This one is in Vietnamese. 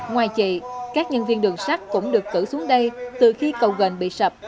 ngoài chị các nhân viên đường sắt cũng được cử xuống đây từ khi cầu gành bị sập